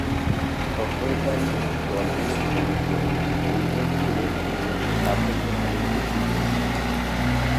সফরকারী দলগুলোর মধ্যে ইংল্যান্ড তুলনামূলক সাফল্য এখানে বেশি পেয়েছে।